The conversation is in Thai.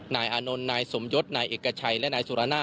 นายอานนท์นายสมยศนายเอกชัยและนายสุรณา